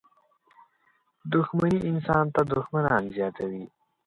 • دښمني انسان ته دښمنان زیاتوي.